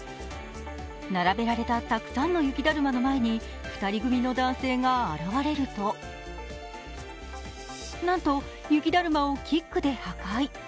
並べられたたくさんの雪だるまの前に２人組の男性が現れるとなんと雪だるまをキックで破壊。